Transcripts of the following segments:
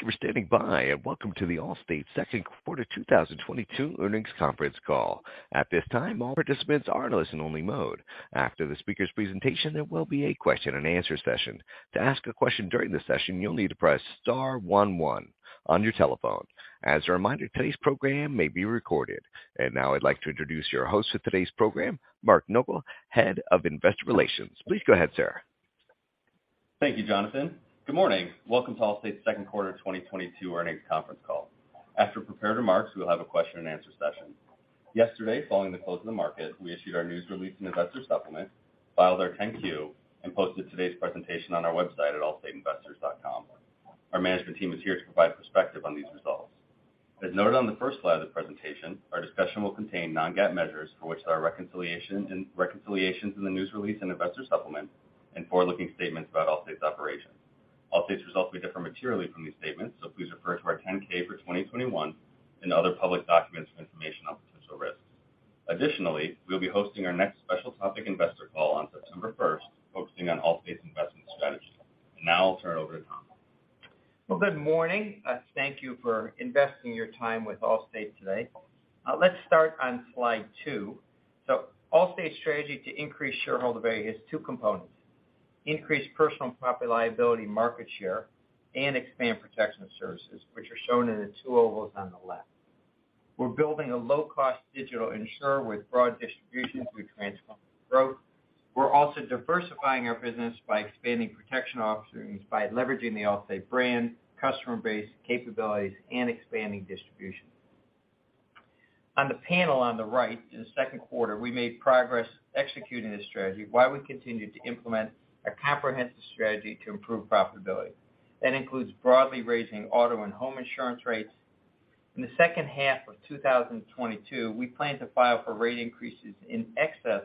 Thank you for standing by, and welcome to the Allstate second quarter 2022 earnings conference call. At this time, all participants are in listen only mode. After the speaker's presentation, there will be a question and answer session. To ask a question during the session, you'll need to press star one one on your telephone. As a reminder, today's program may be recorded. Now I'd like to introduce your host for today's program, Mark Nogal, Head of Investor Relations. Please go ahead, sir. Thank you, Jonathan. Good morning. Welcome to Allstate's second quarter 2022 earnings conference call. After prepared remarks, we'll have a question and answer session. Yesterday, following the close of the market, we issued our news release and investor supplement, filed our 10-Q, and posted today's presentation on our website at allstateinvestors.com. Our management team is here to provide perspective on these results. As noted on the first slide of the presentation, our discussion will contain non-GAAP measures for which there are reconciliations in the news release and investor supplement and forward-looking statements about Allstate's operations. Allstate's results may differ materially from these statements, so please refer to our 10-K for 2021 and other public documents for information on potential risks. Additionally, we'll be hosting our next special topic investor call on September first, focusing on Allstate's investment strategy. Now I'll turn it over to Tom. Well, good morning. Thank you for investing your time with Allstate today. Let's start on slide two. Allstate's strategy to increase shareholder value has two components, increase Personal Property-Liability market share and expand Protection Services, which are shown in the two ovals on the left. We're building a low-cost digital insurer with broad distribution through Transformative Growth. We're also diversifying our business by expanding protection offerings by leveraging the Allstate brand, customer base, capabilities, and expanding distribution. On the panel on the right, in the second quarter, we made progress executing this strategy while we continued to implement a comprehensive strategy to improve profitability. That includes broadly raising auto and home insurance rates. In the second half of 2022, we plan to file for rate increases in excess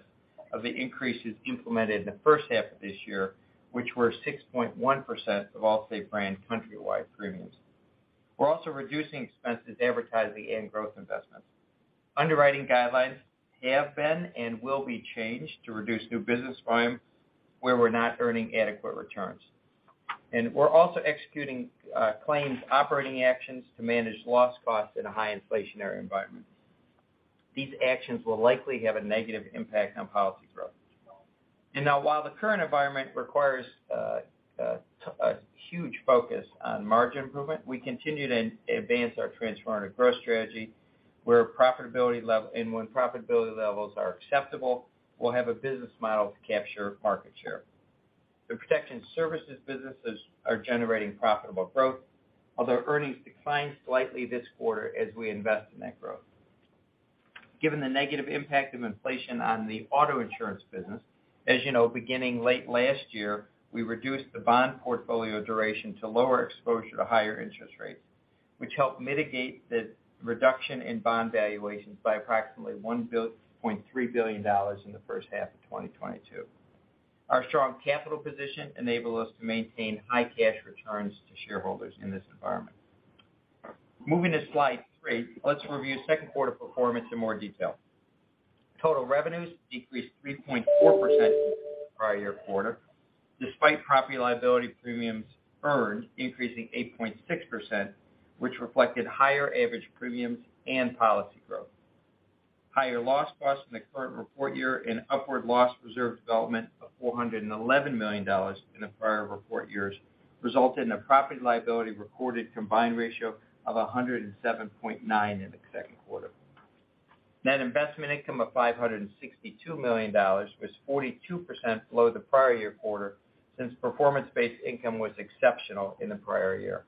of the increases implemented in the first half of this year, which were 6.1% of Allstate brand countrywide premiums. We're also reducing expenses, advertising, and growth investments. Underwriting guidelines have been and will be changed to reduce new business volume where we're not earning adequate returns. We're also executing claims operating actions to manage loss costs in a high inflationary environment. These actions will likely have a negative impact on policy growth. Now, while the current environment requires a huge focus on margin improvement, we continue to advance our Transformative Growth strategy, where profitability and when profitability levels are acceptable, we'll have a business model to capture market share. The Protection Services businesses are generating profitable growth, although earnings declined slightly this quarter as we invest in that growth. Given the negative impact of inflation on the auto insurance business, as you know, beginning late last year, we reduced the bond portfolio duration to lower exposure to higher interest rates, which helped mitigate the reduction in bond valuations by approximately $1.3 billion in the first half of 2022. Our strong capital position enabled us to maintain high cash returns to shareholders in this environment. Moving to slide three, let's review second quarter performance in more detail. Total revenues decreased 3.4% from the prior-year quarter, despite Property-Liability premiums earned increasing 8.6%, which reflected higher average premiums and policy growth. Higher loss costs in the current report year and upward loss reserve development of $411 million in the prior report years resulted in a Property-Liability recorded combined ratio of 107.9 in the second quarter. Net investment income of $562 million was 42% below the prior year quarter since performance-based income was exceptional in the prior year.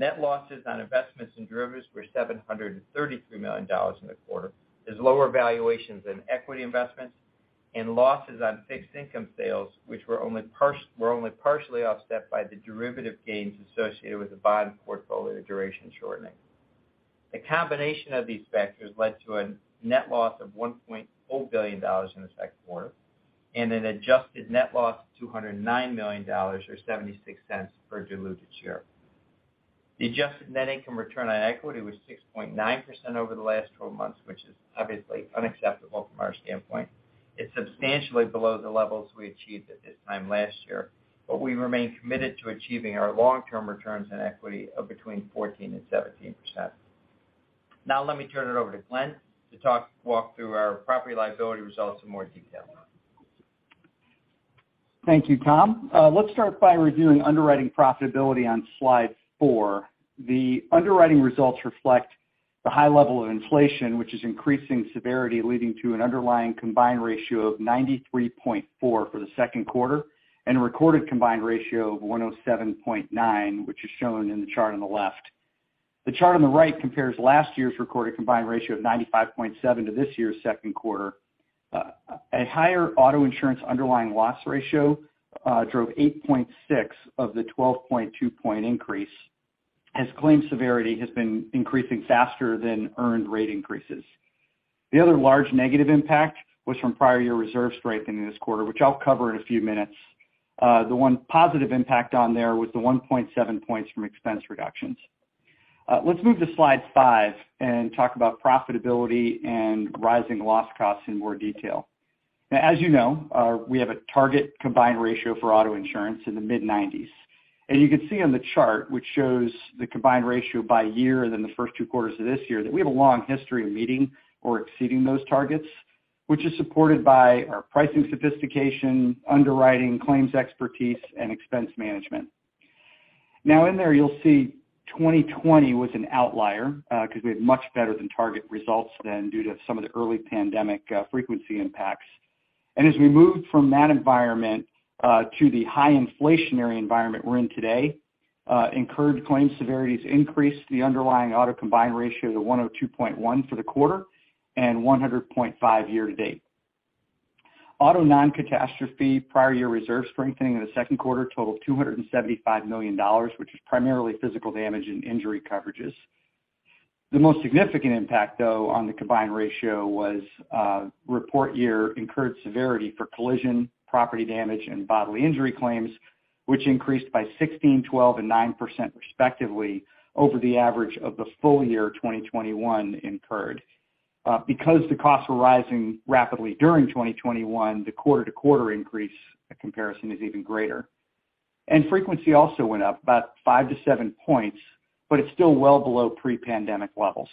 Net losses on investments and derivatives were $733 million in the quarter, as lower valuations in equity investments and losses on fixed income sales, which were only partially offset by the derivative gains associated with the bond portfolio duration shortening. The combination of these factors led to a net loss of $1.4 billion in the second quarter, and an adjusted net loss of $209 million, or $0.76 cents per diluted share. The adjusted net income return on equity was 6.9% over the last 12 months, which is obviously unacceptable from our standpoint. It's substantially below the levels we achieved at this time last year, but we remain committed to achieving our long-term returns on equity of between 14% and 17%. Now let me turn it over to Glenn to walk through our Property-Liability results in more detail. Thank you, Tom. Let's start by reviewing underwriting profitability on slide four. The underwriting results reflect the high level of inflation, which is increasing severity, leading to an underlying combined ratio of 93.4 for the second quarter, and a recorded combined ratio of 107.9, which is shown in the chart on the left. The chart on the right compares last year's recorded combined ratio of 95.7 to this year's second quarter. A higher auto insurance underlying loss ratio drove 8.6 of the 12.2-point increase, as claims severity has been increasing faster than earned rate increases. The other large negative impact was from prior year reserve strengthening this quarter, which I'll cover in a few minutes. The one positive impact on there was the 1.7 points from expense reductions. Let's move to slide five and talk about profitability and rising loss costs in more detail. Now, as you know, we have a target combined ratio for auto insurance in the mid-90s. You can see on the chart, which shows the combined ratio by year and then the first two quarters of this year, that we have a long history of meeting or exceeding those targets, which is supported by our pricing sophistication, underwriting, claims expertise, and expense management. Now, in there, you'll see 2020 was an outlier, 'cause we had much better than target results then due to some of the early pandemic, frequency impacts. As we moved from that environment to the high inflationary environment we're in today, incurred claim severities increased the underlying auto combined ratio to 102.1 for the quarter and 100.5 year to date. Auto non-catastrophe prior year reserve strengthening in the second quarter totaled $275 million, which is primarily physical damage and injury coverages. The most significant impact, though, on the combined ratio was report year incurred severity for collision, property damage, and bodily injury claims, which increased by 16%, 12%, and 9% respectively over the average of the full year 2021 incurred. Because the costs were rising rapidly during 2021, the quarter-to-quarter increase comparison is even greater. Frequency also went up about 5-7 points, but it's still well below pre-pandemic levels.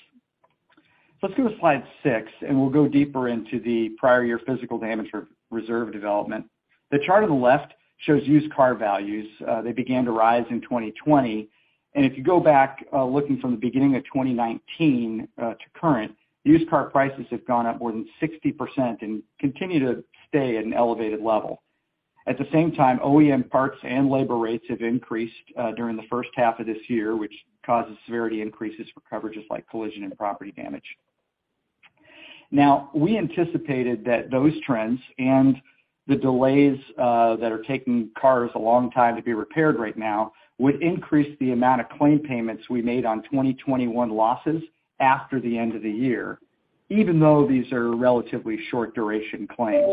Let's go to slide six, and we'll go deeper into the prior year physical damage reserve development. The chart on the left shows used car values. They began to rise in 2020. If you go back, looking from the beginning of 2019 to current, used car prices have gone up more than 60% and continue to stay at an elevated level. At the same time, OEM parts and labor rates have increased during the first half of this year, which causes severity increases for coverages like collision and property damage. Now, we anticipated that those trends and the delays that are taking cars a long time to be repaired right now would increase the amount of claim payments we made on 2021 losses after the end of the year, even though these are relatively short duration claims.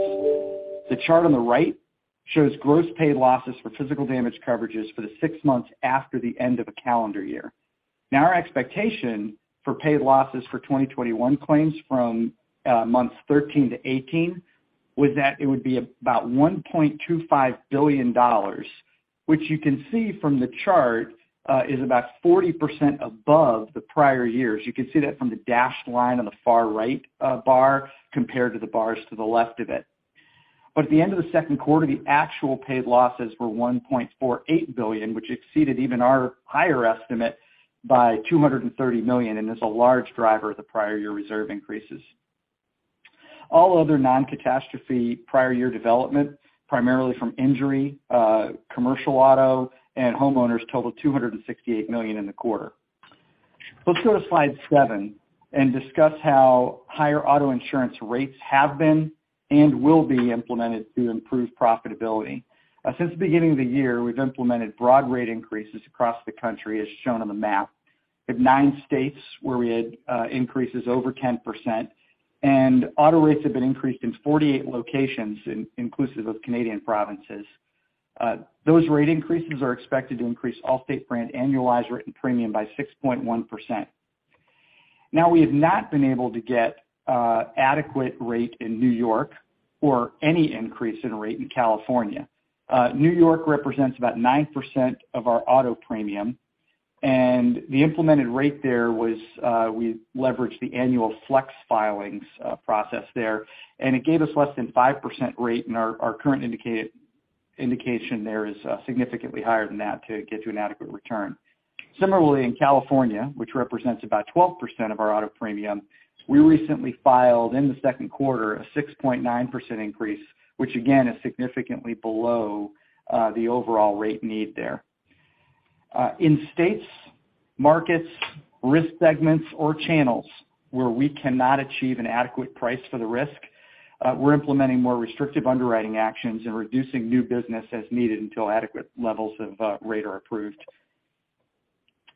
The chart on the right shows gross paid losses for physical damage coverages for the six months after the end of a calendar year. Now, our expectation for paid losses for 2021 claims from months 13 to 18 was that it would be about $1.25 billion, which you can see from the chart, is about 40% above the prior years. You can see that from the dashed line on the far right bar compared to the bars to the left of it. At the end of the second quarter, the actual paid losses were $1.48 billion, which exceeded even our higher estimate by $230 million, and is a large driver of the prior year reserve increases. All other non-catastrophe prior year development, primarily from injury, commercial auto, and homeowners totaled $268 million in the quarter. Let's go to slide seven and discuss how higher auto insurance rates have been and will be implemented to improve profitability. Since the beginning of the year, we've implemented broad rate increases across the country, as shown on the map. We have nine states where we had increases over 10%, and auto rates have been increased in 48 locations inclusive of Canadian provinces. Those rate increases are expected to increase Allstate brand annualized written premium by 6.1%. Now, we have not been able to get adequate rate in New York or any increase in rate in California. New York represents about 9% of our auto premium, and the implemented rate there was, we leveraged the annual flex filings process there, and it gave us less than 5% rate, and our current indication there is significantly higher than that to get to an adequate return. Similarly, in California, which represents about 12% of our auto premium, we recently filed in the second quarter a 6.9% increase, which, again, is significantly below the overall rate need there. In states, markets, risk segments or channels where we cannot achieve an adequate price for the risk, we're implementing more restrictive underwriting actions and reducing new business as needed until adequate levels of rate are approved.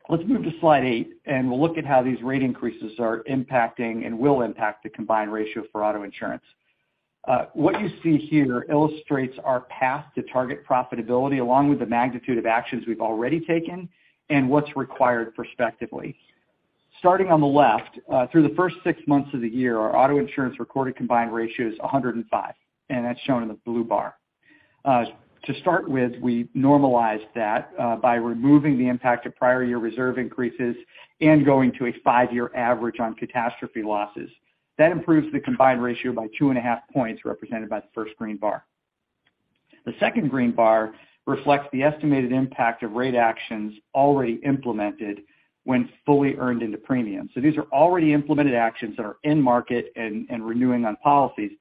Let's move to slide eight, and we'll look at how these rate increases are impacting and will impact the combined ratio for auto insurance. What you see here illustrates our path to target profitability along with the magnitude of actions we've already taken and what's required prospectively. Starting on the left, through the first six months of the year, our auto insurance recorded combined ratio is 105, and that's shown in the blue bar. To start with, we normalized that by removing the impact of prior year reserve increases and going to a five-year average on catastrophe losses. That improves the combined ratio by 2.5 points represented by the first green bar. The second green bar reflects the estimated impact of rate actions already implemented when fully earned into premium. These are already implemented actions that are in market and renewing on policies.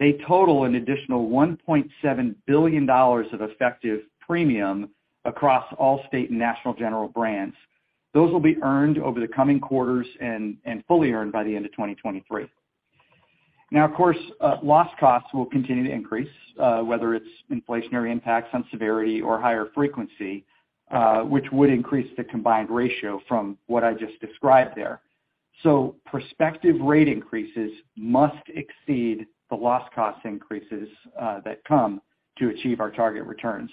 They total an additional $1.7 billion of effective premium across Allstate and National General brands. Those will be earned over the coming quarters and fully earned by the end of 2023. Now, of course, loss costs will continue to increase, whether it's inflationary impacts on severity or higher frequency, which would increase the combined ratio from what I just described there. Prospective rate increases must exceed the loss cost increases that come to achieve our target returns.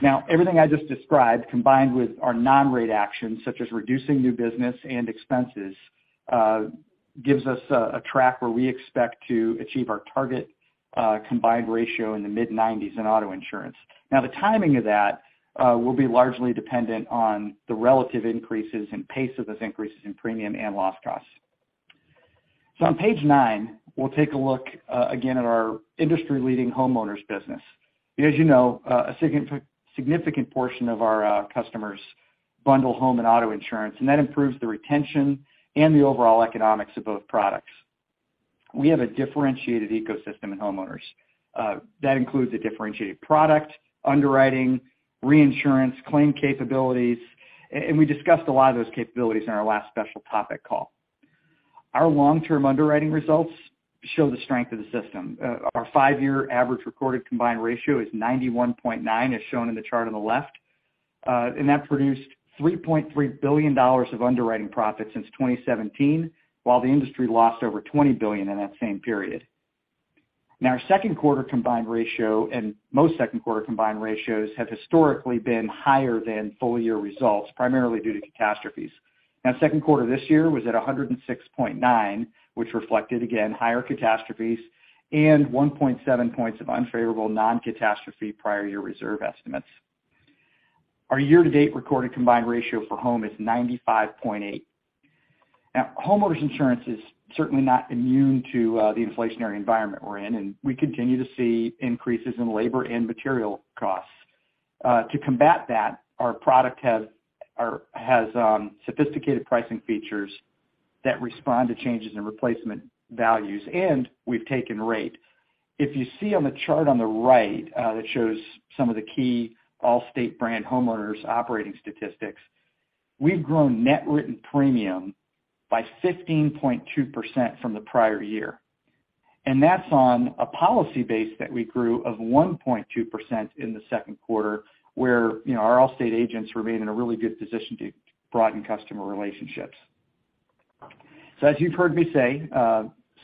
Now, everything I just described, combined with our non-rate actions, such as reducing new business and expenses, gives us a track where we expect to achieve our target combined ratio in the mid-90s% in auto insurance. Now, the timing of that will be largely dependent on the relative increases and pace of those increases in premium and loss costs. On page nine, we'll take a look again at our industry-leading homeowners business. As you know, a significant portion of our customers bundle home and auto insurance, and that improves the retention and the overall economics of both products. We have a differentiated ecosystem in homeowners that includes a differentiated product, underwriting, reinsurance, claim capabilities, and we discussed a lot of those capabilities in our last special topic call. Our long-term underwriting results show the strength of the system. Our five-year average recorded combined ratio is 91.9, as shown in the chart on the left, and that produced $3.3 billion of underwriting profit since 2017, while the industry lost over $20 billion in that same period. Our second quarter combined ratio, and most second quarter combined ratios, have historically been higher than full year results, primarily due to catastrophes. Second quarter this year was at 106.9, which reflected, again, higher catastrophes and 1.7 points of unfavorable non-catastrophe prior year reserve estimates. Our year-to-date recorded combined ratio for home is 95.8. Homeowners insurance is certainly not immune to the inflationary environment we're in, and we continue to see increases in labor and material costs. To combat that, our product has sophisticated pricing features that respond to changes in replacement values, and we've taken rate. If you see on the chart on the right, that shows some of the key Allstate brand homeowners operating statistics, we've grown net written premium by 15.2% from the prior year. That's on a policy base that we grew of 1.2% in the second quarter, where, you know, our Allstate agents remain in a really good position to broaden customer relationships. As you've heard me say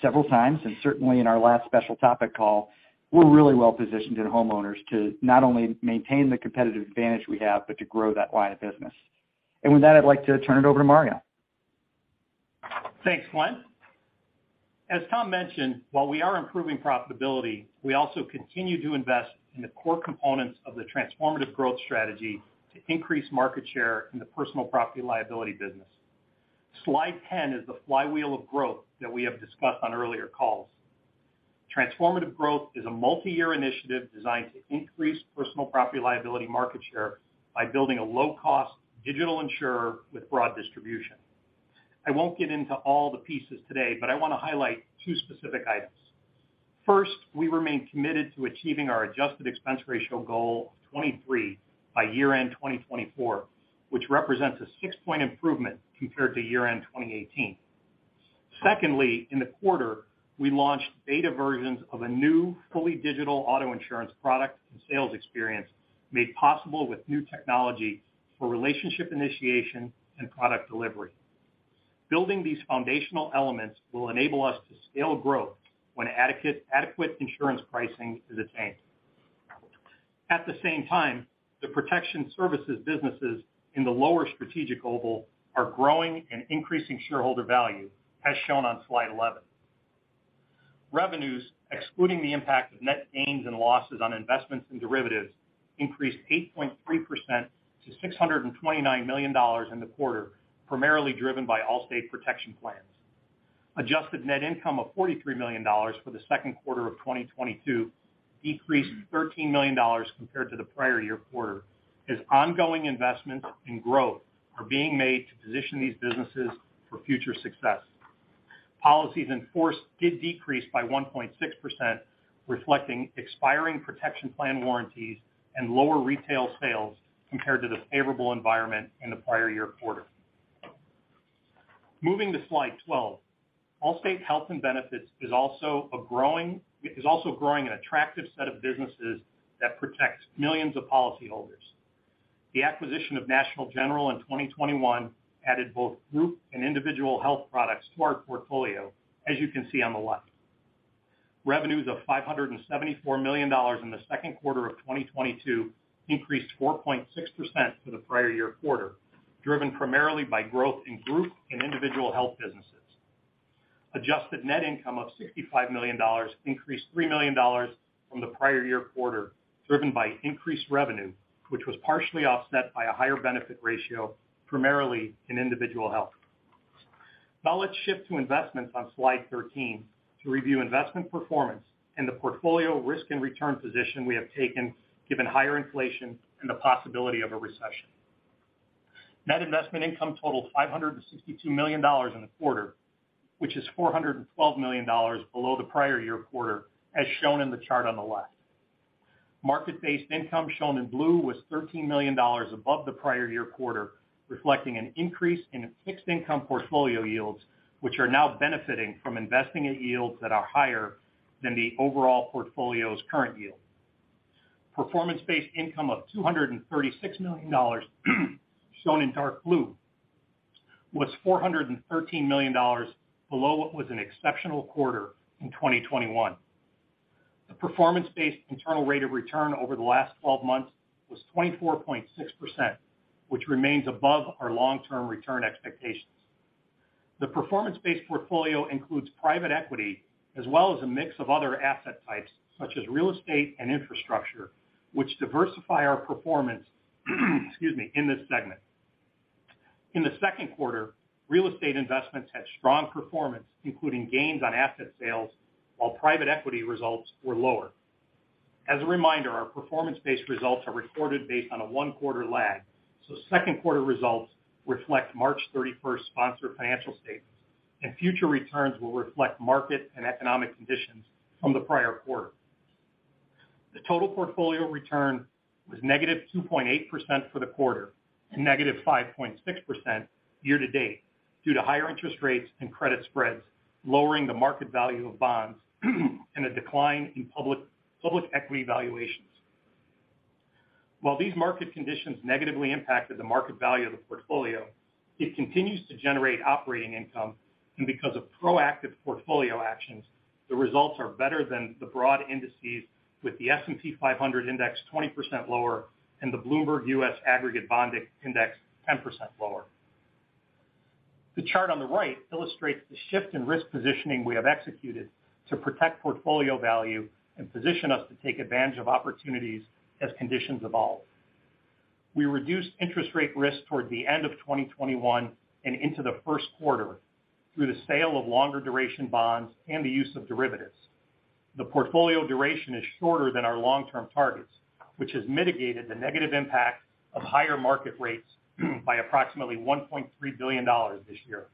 several times, and certainly in our last special topic call, we're really well positioned in homeowners to not only maintain the competitive advantage we have, but to grow that line of business. With that, I'd like to turn it over to Mario. Thanks, Glenn. As Tom mentioned, while we are improving profitability, we also continue to invest in the core components of the Transformative Growth strategy to increase market share in the Personal Property-Liability business. Slide 10 is the flywheel of growth that we have discussed on earlier calls. Transformative Growth is a multi-year initiative designed to increase Personal Property-Liability market share by building a low-cost digital insurer with broad distribution. I won't get into all the pieces today, but I wanna highlight two specific items. First, we remain committed to achieving our adjusted expense ratio goal of 23% by year-end 2024, which represents a 6-point improvement compared to year-end 2018. Secondly, in the quarter, we launched beta versions of a new fully digital auto insurance product and sales experience made possible with new technology for relationship initiation and product delivery. Building these foundational elements will enable us to scale growth when adequate insurance pricing is attained. At the same time, the Protection Services businesses in the lower strategic oval are growing and increasing shareholder value, as shown on slide 11. Revenues, excluding the impact of net gains and losses on investments and derivatives, increased 8.3% to $629 million in the quarter, primarily driven by Allstate Protection Plans. Adjusted Net Income of $43 million for the second quarter of 2022 decreased $13 million compared to the prior year quarter as ongoing investments and growth are being made to position these businesses for future success. Policies in force did decrease by 1.6%, reflecting expiring protection plan warranties and lower retail sales compared to the favorable environment in the prior year quarter. Moving to slide 12. Allstate Health and Benefits is also growing an attractive set of businesses that protects millions of policyholders. The acquisition of National General in 2021 added both group and individual health products to our portfolio, as you can see on the left. Revenues of $574 million in the second quarter of 2022 increased 4.6% from the prior year quarter, driven primarily by growth in group and individual health businesses. Adjusted net income of $65 million increased $3 million from the prior year quarter, driven by increased revenue, which was partially offset by a higher benefit ratio, primarily in individual health. Now let's shift to investments on slide 13 to review investment performance and the portfolio risk and return position we have taken given higher inflation and the possibility of a recession. Net investment income totaled $562 million in the quarter, which is $412 million below the prior year quarter, as shown in the chart on the left. Market-based income, shown in blue, was $13 million above the prior year quarter, reflecting an increase in fixed income portfolio yields, which are now benefiting from investing at yields that are higher than the overall portfolio's current yield. Performance-based income of $236 million, shown in dark blue, was $413 million below what was an exceptional quarter in 2021. The performance-based internal rate of return over the last 12 months was 24.6%, which remains above our long-term return expectations. The performance-based portfolio includes private equity as well as a mix of other asset types, such as real estate and infrastructure, which diversify our performance, excuse me, in this segment. In the second quarter, real estate investments had strong performance, including gains on asset sales, while private equity results were lower. As a reminder, our performance-based results are recorded based on a one-quarter lag, so second quarter results reflect March 31st sponsor financial statements, and future returns will reflect market and economic conditions from the prior quarter. The total portfolio return was negative 2.8% for the quarter and negative 5.6% year-to-date due to higher interest rates and credit spreads, lowering the market value of bonds and a decline in public equity valuations. While these market conditions negatively impacted the market value of the portfolio, it continues to generate operating income. Because of proactive portfolio actions, the results are better than the broad indices, with the S&P 500 Index 20% lower and the Bloomberg US Aggregate Bond Index 10% lower. The chart on the right illustrates the shift in risk positioning we have executed to protect portfolio value and position us to take advantage of opportunities as conditions evolve. We reduced interest rate risk toward the end of 2021 and into the first quarter through the sale of longer duration bonds and the use of derivatives. The portfolio duration is shorter than our long-term targets, which has mitigated the negative impact of higher market rates by approximately $1.3 billion this year.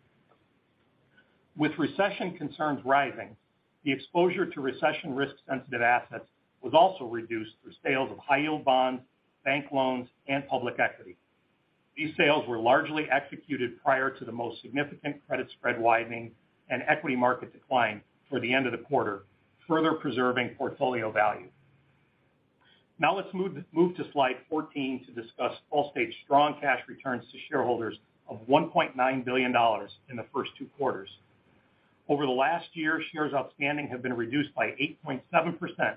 With recession concerns rising, the exposure to recession risk-sensitive assets was also reduced through sales of high-yield bonds, bank loans, and public equity. These sales were largely executed prior to the most significant credit spread widening and equity market decline for the end of the quarter, further preserving portfolio value. Now let's move to slide 14 to discuss Allstate's strong cash returns to shareholders of $1.9 billion in the first two quarters. Over the last year, shares outstanding have been reduced by 8.7%,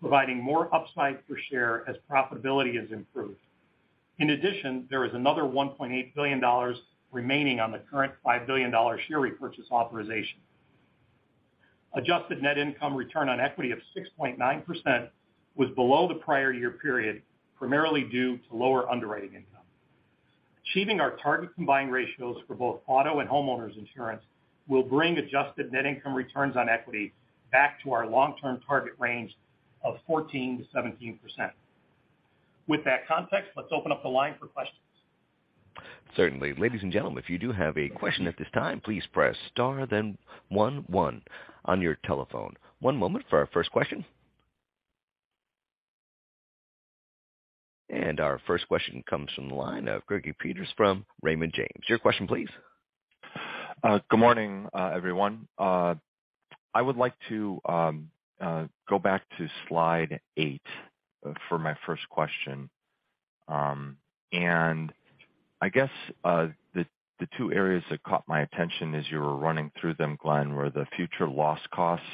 providing more upside per share as profitability has improved. In addition, there is another $1.8 billion remaining on the current $5 billion share repurchase authorization. Adjusted net income return on equity of 6.9% was below the prior year period, primarily due to lower underwriting income. Achieving our target combined ratios for both auto and homeowners insurance will bring adjusted net income returns on equity back to our long-term target range of 14%-17%. With that context, let's open up the line for questions. Certainly. Ladies and gentlemen, if you do have a question at this time, please press star then one one on your telephone. One moment for our first question. Our first question comes from the line of Greg Peters from Raymond James. Your question please. Good morning, everyone. I would like to go back to slide eight for my first question. I guess the two areas that caught my attention as you were running through them, Glenn, were the future loss costs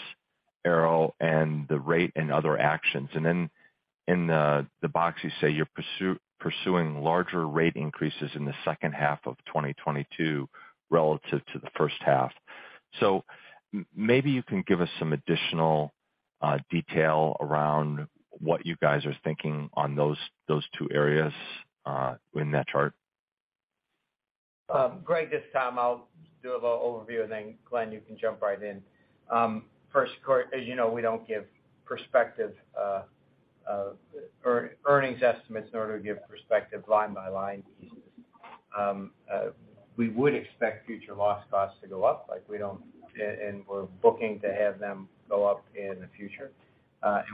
arrow and the rate and other actions. In the box, you say you're pursuing larger rate increases in the second half of 2022 relative to the first half. Maybe you can give us some additional detail around what you guys are thinking on those two areas in that chart. Greg, this time I'll do a little overview, and then Glenn, you can jump right in. First, as you know, we don't give prospective earnings estimates nor do we give prospective line-by-line pieces. We would expect future loss costs to go up and we're looking to have them go up in the future.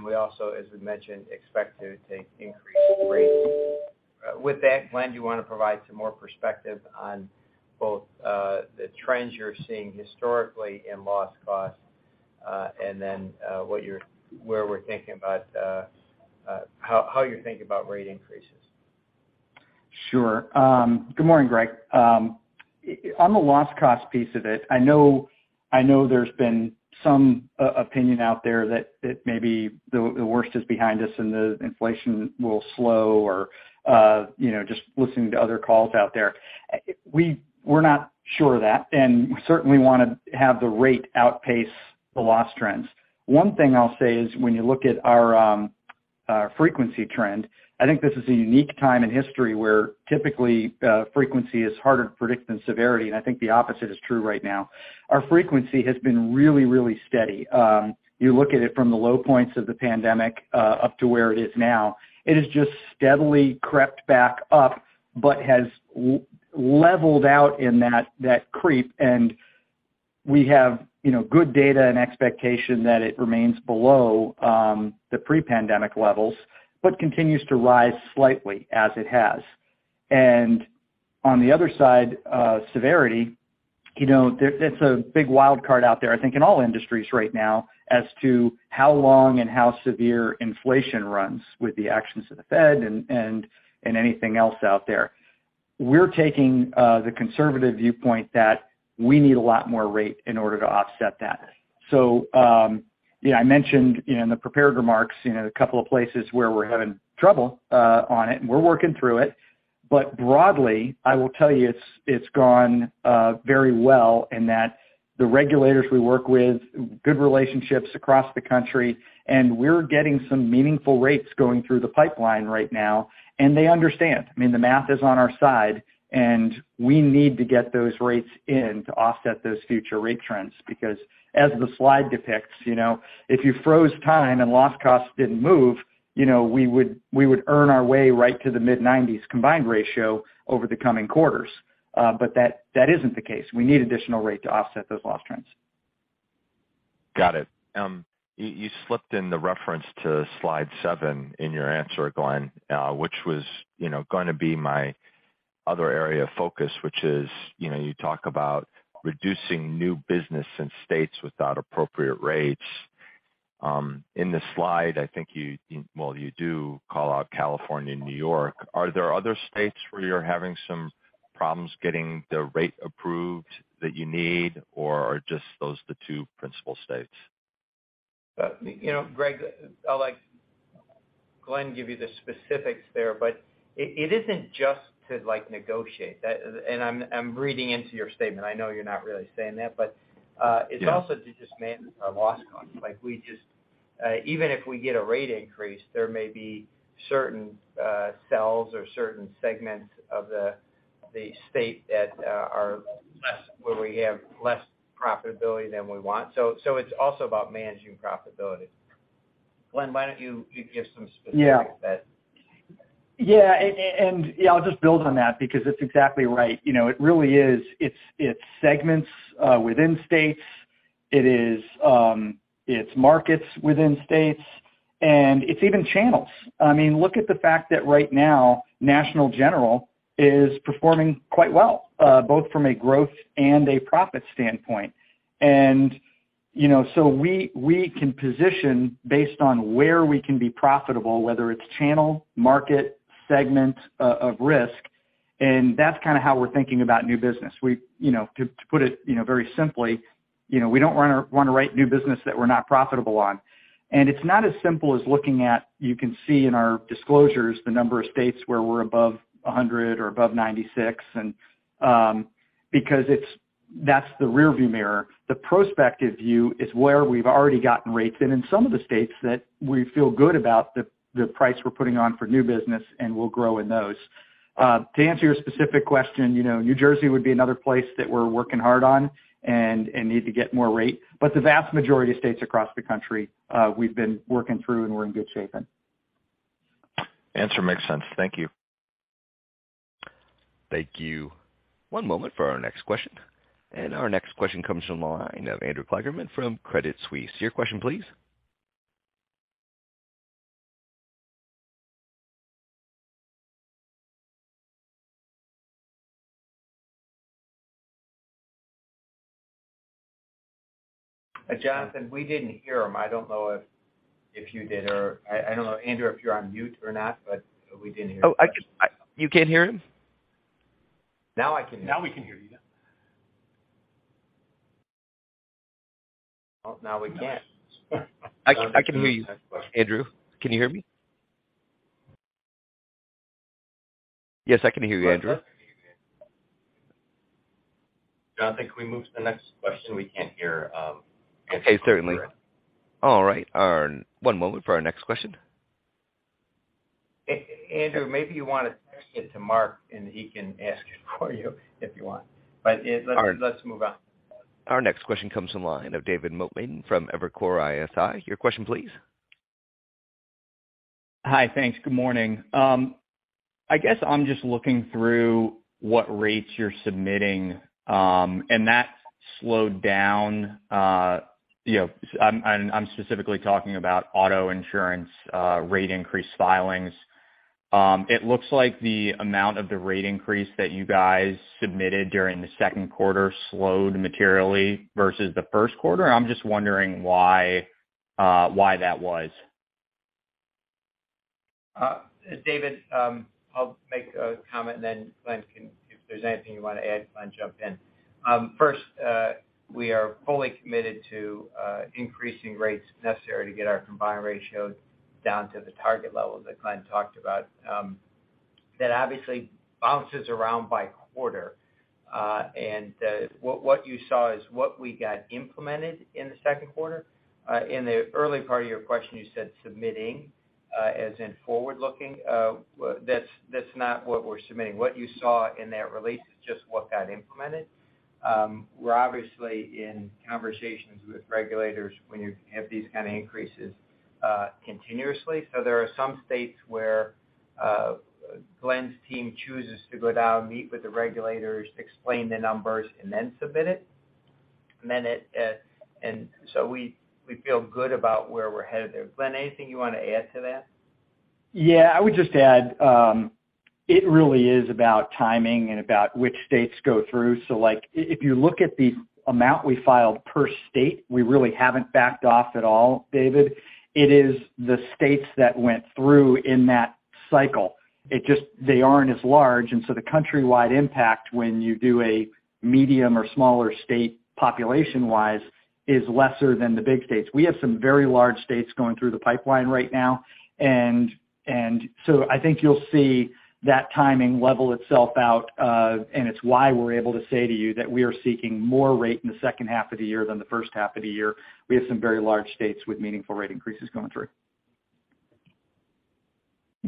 We also, as we mentioned, expect to take increased rates. With that, Glenn, do you wanna provide some more perspective on both the trends you're seeing historically in loss costs and then where we're thinking about how you're thinking about rate increases? Sure. Good morning, Greg. On the loss cost piece of it, I know there's been some opinion out there that maybe the worst is behind us and the inflation will slow or, you know, just listening to other calls out there. We're not sure of that, and we certainly wanna have the rate outpace the loss trends. One thing I'll say is when you look at our frequency trend, I think this is a unique time in history where typically frequency is harder to predict than severity, and I think the opposite is true right now. Our frequency has been really steady. You look at it from the low points of the pandemic up to where it is now. It has just steadily crept back up, but has leveled out in that creep. We have, you know, good data and expectation that it remains below the pre-pandemic levels, but continues to rise slightly as it has. On the other side, severity. You know, there, that's a big wild card out there, I think, in all industries right now as to how long and how severe inflation runs with the actions of the Fed and anything else out there. We're taking the conservative viewpoint that we need a lot more rate in order to offset that. You know, I mentioned in the prepared remarks, you know, a couple of places where we're having trouble on it and we're working through it. Broadly, I will tell you, it's gone very well and that the regulators we work with, good relationships across the country, and we're getting some meaningful rates going through the pipeline right now, and they understand. I mean, the math is on our side, and we need to get those rates in to offset those future rate trends. Because as the slide depicts, you know, if you froze time and loss costs didn't move, you know, we would earn our way right to the mid-90s combined ratio over the coming quarters. But that isn't the case. We need additional rate to offset those loss trends. Got it. You slipped in the reference to slide seven in your answer, Glenn, which was, you know, gonna be my other area of focus, which is, you know, you talk about reducing new business in states without appropriate rates. In this slide, I think, well, you do call out California and New York. Are there other states where you're having some problems getting the rate approved that you need, or are just those the two principal states? You know, Greg, I'll let Glenn give you the specifics there, but it isn't just to, like, negotiate. That. I'm reading into your statement. I know you're not really saying that. Yeah. It's also to just manage our loss costs. Like, we just even if we get a rate increase, there may be certain cells or certain segments of the state that are less, where we have less profitability than we want. So it's also about managing profitability. Glenn, why don't you give some specifics that- I'll just build on that because it's exactly right. You know, it really is, it's segments within states. It is, it's markets within states, and it's even channels. I mean, look at the fact that right now, National General is performing quite well, both from a growth and a profit standpoint. You know, we can position based on where we can be profitable, whether it's channel, market, segment, of risk, and that's kinda how we're thinking about new business. You know, to put it very simply, you know, we don't wanna write new business that we're not profitable on. It's not as simple as looking at, you can see in our disclosures, the number of states where we're above 100% or above 96%, because that's the rearview mirror. The prospective view is where we've already gotten rates in some of the states that we feel good about the price we're putting on for new business and will grow in those. To answer your specific question, you know, New Jersey would be another place that we're working hard on and need to get more rate. The vast majority of states across the country, we've been working through and we're in good shape in. Answer makes sense. Thank you. Thank you. One moment for our next question. Our next question comes from the line of Andrew Kligerman from Credit Suisse. Your question please. Jonathan, we didn't hear him. I don't know if you did or I don't know, Andrew, if you're on mute or not, but we didn't hear you. Oh, I can. You can't hear him? Now I can hear him. Now we can hear you. Yeah. Oh, now we can't. I can, I can hear you. Andrew, can you hear me? Yes, I can hear you, Andrew. Jonathan, can we move to the next question? We can't hear, Andrew very well. Okay, certainly. All right. One moment for our next question. Andrew, maybe you wanna text it to Mark and he can ask it for you if you want. All right. Let's move on. Our next question comes from the line of David Motemaden from Evercore ISI. Your question, please. Hi. Thanks. Good morning. I guess I'm just looking through what rates you're submitting, and that slowed down, you know, I'm specifically talking about auto insurance rate increase filings. It looks like the amount of the rate increase that you guys submitted during the second quarter slowed materially versus the first quarter. I'm just wondering why that was. David, I'll make a comment and then Glenn can. If there's anything you wanna add, Glenn, jump in. First, we are fully committed to increasing rates necessary to get our combined ratio down to the target level that Glenn talked about. That obviously bounces around by quarter. What you saw is what we got implemented in the second quarter. In the early part of your question you said submitting, as in forward-looking. Well, that's not what we're submitting. What you saw in that release is just what got implemented. We're obviously in conversations with regulators when you have these kind of increases, continuously. There are some states where Glenn's team chooses to go down and meet with the regulators, explain the numbers, and then submit it. We feel good about where we're headed there. Glenn, anything you wanna add to that? Yeah. I would just add, it really is about timing and about which states go through. Like if you look at the amount we filed per state, we really haven't backed off at all, David. It is the states that went through in that cycle. It just, they aren't as large, and so the countrywide impact when you do a medium or smaller state population-wise, is lesser than the big states. We have some very large states going through the pipeline right now. I think you'll see that timing level itself out, and it's why we're able to say to you that we are seeking more rate in the second half of the year than the first half of the year. We have some very large states with meaningful rate increases coming through.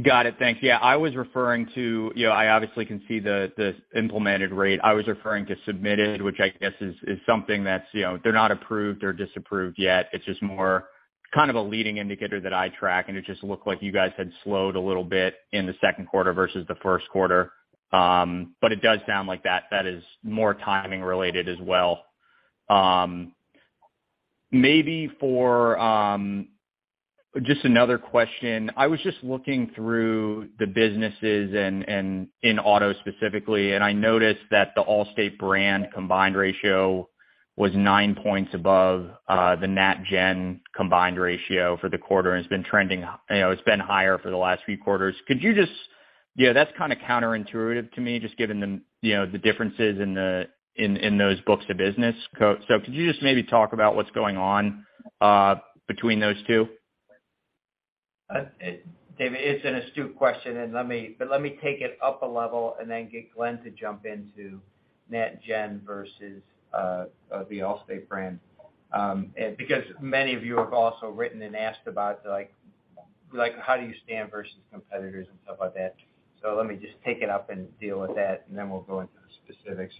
Got it. Thanks. Yeah, I was referring to, you know, I obviously can see the implemented rate. I was referring to submitted, which I guess is something that's, you know, they're not approved or disapproved yet. It's just more kind of a leading indicator that I track, and it just looked like you guys had slowed a little bit in the second quarter versus the first quarter. It does sound like that is more timing related as well. Maybe just another question, I was just looking through the businesses and in auto specifically, and I noticed that the Allstate brand combined ratio was 9 points above the NatGen combined ratio for the quarter, and it's been trending, you know, it's been higher for the last few quarters. Could you just... You know, that's kind of counterintuitive to me, just given the you know the differences in those books of business. Could you just maybe talk about what's going on between those two? David, it's an astute question, but let me take it up a level and then get Glenn to jump into NatGen versus the Allstate brand. Because many of you have also written and asked about like how do you stand versus competitors and stuff like that. Let me just take it up and deal with that, and then we'll go into the specifics.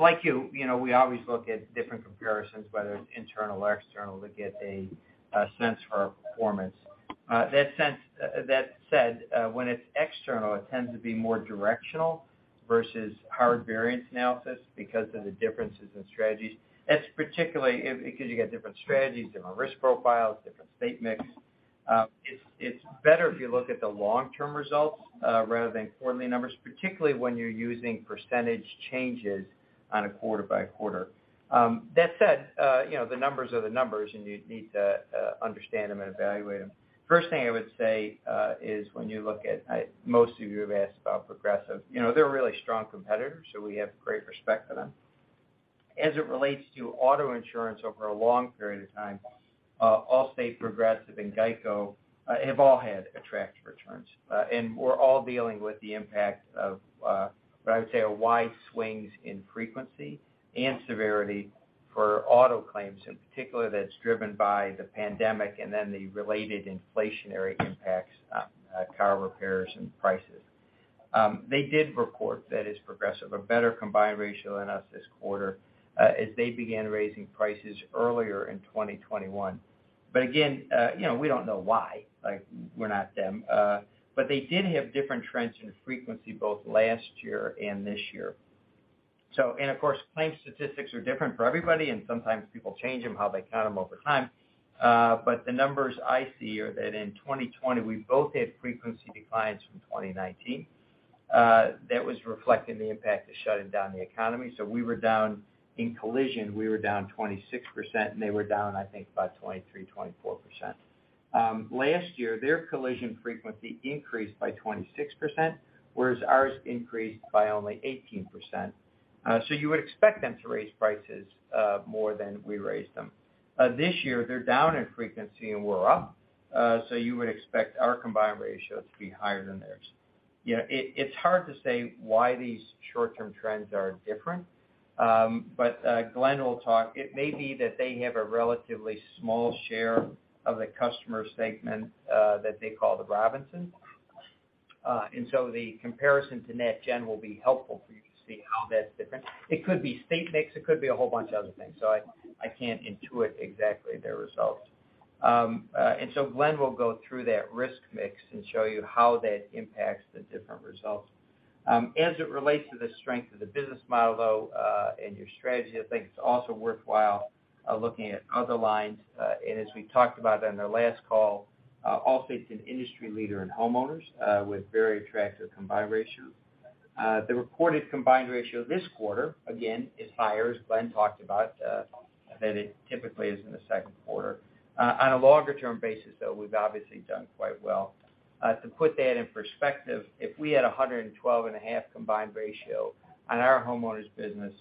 Like you know, we always look at different comparisons, whether it's internal or external, to get a sense for our performance. That said, when it's external, it tends to be more directional versus hard variance analysis because of the differences in strategies. That's particularly because you got different strategies, different risk profiles, different state mix. It's better if you look at the long-term results rather than quarterly numbers, particularly when you're using percentage changes on a quarter-by-quarter. That said, you know, the numbers are the numbers, and you need to understand them and evaluate them. First thing I would say is when you look at, most of you have asked about Progressive. You know, they're a really strong competitor, so we have great respect for them. As it relates to auto insurance over a long period of time, Allstate, Progressive, and GEICO have all had attractive returns. We're all dealing with the impact of what I would say are wide swings in frequency and severity for auto claims, in particular, that's driven by the pandemic and then the related inflationary impacts on car repairs and prices. They did report, that is Progressive, a better combined ratio than us this quarter, as they began raising prices earlier in 2021. Again, you know, we don't know why. Like, we're not them. They did have different trends in frequency both last year and this year. Of course, claim statistics are different for everybody, and sometimes people change them, how they count them over time. The numbers I see are that in 2020, we both had frequency declines from 2019. That was reflecting the impact of shutting down the economy. We were down in collision 26%, and they were down, I think, about 23%-24%. Last year, their collision frequency increased by 26%, whereas ours increased by only 18%. You would expect them to raise prices more than we raised them. This year, they're down in frequency, and we're up. You would expect our combined ratio to be higher than theirs. It's hard to say why these short-term trends are different, but Glenn will talk. It may be that they have a relatively small share of the customer segment that they call the Robinsons. The comparison to NatGen will be helpful for you to see how that's different. It could be state mix, it could be a whole bunch of other things. I can't intuit exactly their results. Glenn will go through that risk mix and show you how that impacts the different results. As it relates to the strength of the business model, though, and your strategy, I think it's also worthwhile looking at other lines. As we talked about on the last call, Allstate's an industry leader in homeowners with very attractive combined ratio. The reported combined ratio this quarter, again, is higher, as Glenn talked about, than it typically is in the second quarter. On a longer-term basis, though, we've obviously done quite well. To put that in perspective, if we had 112.5 combined ratio on our homeowners business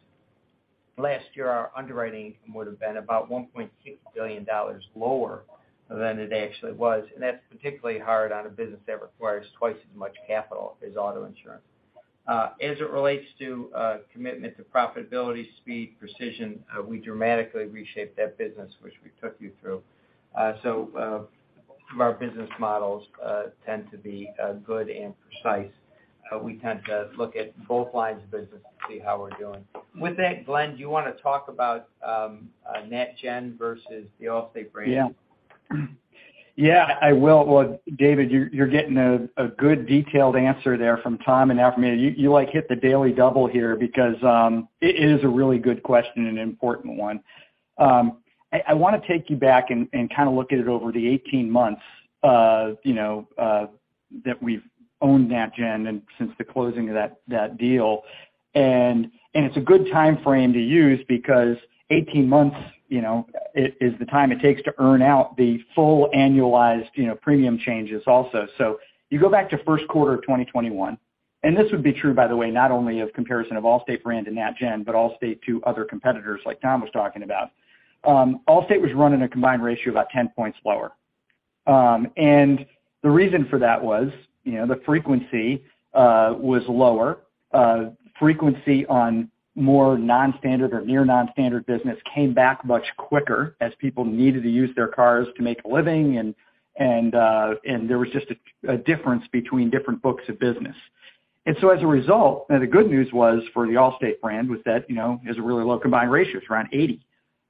last year, our underwriting would have been about $1.6 billion lower than it actually was. That's particularly hard on a business that requires twice as much capital as auto insurance. As it relates to commitment to profitability, speed, precision, we dramatically reshaped that business, which we took you through. Our business models tend to be good and precise. We tend to look at both lines of business to see how we're doing. With that, Glenn, do you wanna talk about NatGen versus the Allstate brand? Yeah. Yeah, I will. Well, David, you're getting a good detailed answer there from Tom and now from me. You like hit the daily double here because it is a really good question and an important one. I wanna take you back and kind of look at it over the 18 months that we've owned NatGen and since the closing of that deal. It's a good timeframe to use because 18 months is the time it takes to earn out the full annualized premium changes also. You go back to first quarter of 2021, and this would be true by the way, not only of comparison of Allstate brand and NatGen, but Allstate to other competitors like Tom was talking about. Allstate was running a combined ratio about 10 points lower. The reason for that was, you know, the frequency was lower, frequency on more non-standard or near non-standard business came back much quicker as people needed to use their cars to make a living, and there was just a difference between different books of business. As a result, now the good news was, for the Allstate brand, was that, you know, it has a really low combined ratios around 80.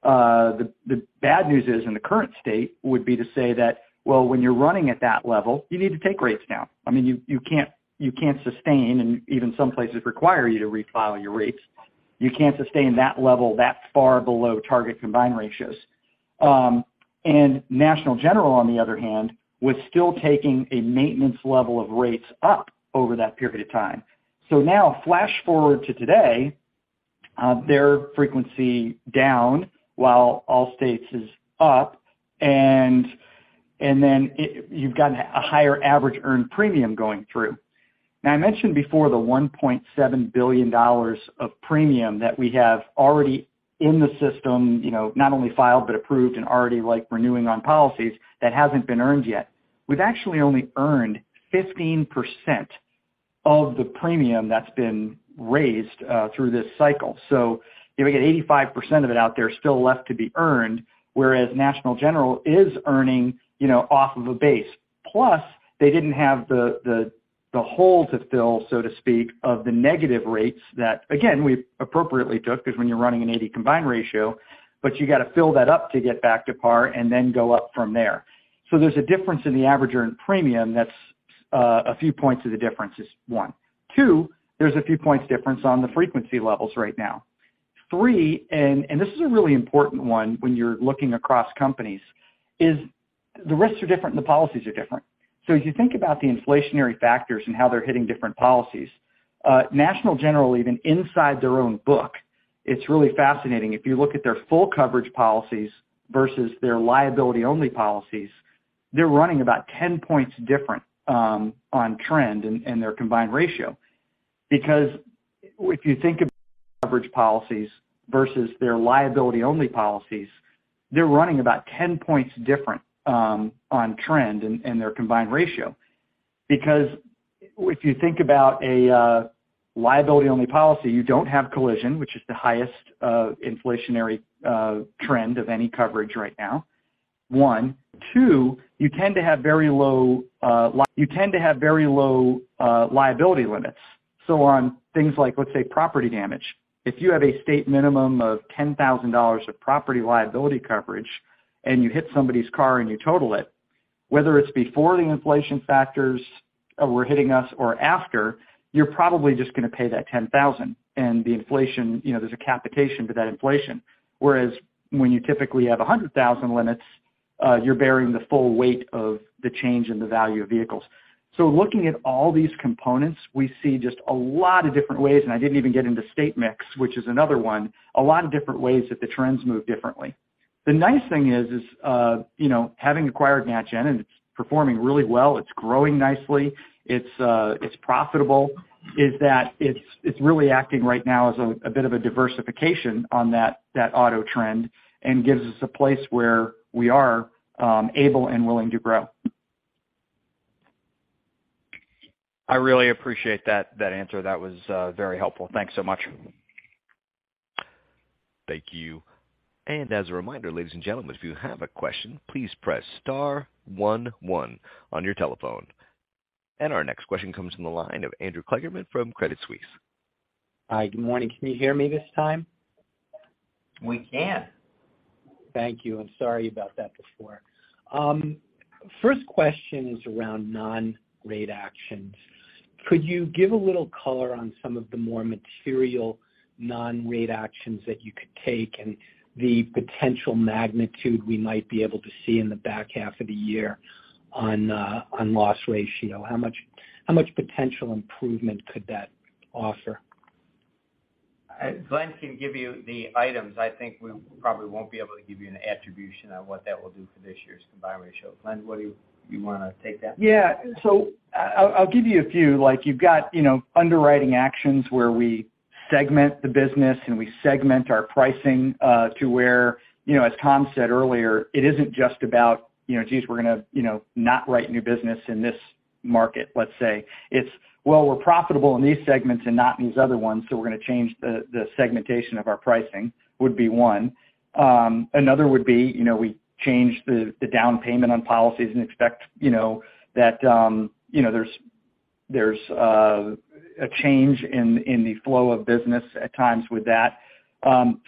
The bad news is in the current state would be to say that, well, when you're running at that level, you need to take rates down. I mean, you can't sustain, and even some places require you to refile your rates. You can't sustain that level that far below target combined ratios. National General, on the other hand, was still taking a maintenance level of rates up over that period of time. Now flash forward to today, their frequency down while Allstate's is up, and then you've got a higher average earned premium going through. Now I mentioned before the $1.7 billion of premium that we have already in the system, you know, not only filed, but approved and already like renewing on policies that hasn't been earned yet. We've actually only earned 15% of the premium that's been raised, through this cycle. You may get 85% of it out there still left to be earned, whereas National General is earning, you know, off of a base. Plus, they didn't have the hole to fill, so to speak, of the negative rates that again, we appropriately took, 'cause when you're running an 80 combined ratio, but you gotta fill that up to get back to par and then go up from there. So there's a difference in the average earned premium that's a few points of the difference is one. Two, there's a few points difference on the frequency levels right now. Three, and this is a really important one when you're looking across companies, is the risks are different and the policies are different. So if you think about the inflationary factors and how they're hitting different policies, National General, even inside their own book, it's really fascinating. If you look at their full coverage policies versus their liability-only policies, they're running about 10 points different on trend in their combined ratio. Because if you think of average policies versus their liability-only policies, they're running about 10 points different on trend in their combined ratio. Because if you think about a liability-only policy, you don't have collision, which is the highest inflationary trend of any coverage right now, one. Two, you tend to have very low liability limits. So on things like, let's say, property damage, if you have a state minimum of $10,000 of property liability coverage and you hit somebody's car and you total it, whether it's before the inflation factors were hitting us or after, you're probably just gonna pay that $10,000. The inflation, you know, there's a correlation to that inflation. Whereas when you typically have 100,000 limits, you're bearing the full weight of the change in the value of vehicles. Looking at all these components, we see just a lot of different ways, and I didn't even get into state mix, which is another one, a lot of different ways that the trends move differently. The nice thing is, you know, having acquired NatGen, and it's performing really well, it's growing nicely, it's profitable, is that it's really acting right now as a bit of a diversification on that auto trend and gives us a place where we are able and willing to grow. I really appreciate that answer. That was very helpful. Thanks so much. Thank you. As a reminder, ladies and gentlemen, if you have a question, please press star one one on your telephone. Our next question comes from the line of Andrew Kligerman from Credit Suisse. Hi, good morning. Can you hear me this time? We can. Thank you, and sorry about that before. First question is around non-rate actions. Could you give a little color on some of the more material non-rate actions that you could take and the potential magnitude we might be able to see in the back half of the year on loss ratio? How much potential improvement could that offer? Glenn can give you the items. I think we probably won't be able to give you an attribution on what that will do for this year's combined ratio. Glenn, you wanna take that? Yeah. I'll give you a few. Like you've got, you know, underwriting actions where we segment the business, and we segment our pricing to where, you know, as Tom said earlier, it isn't just about, you know, geez, we're gonna, you know, not write new business in this market, let's say. It's, well, we're profitable in these segments and not in these other ones, so we're gonna change the segmentation of our pricing, would be one. Another would be, you know, we change the down payment on policies and expect, you know, that, you know, there's a change in the flow of business at times with that.